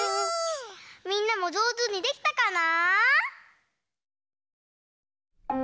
みんなもじょうずにできたかな？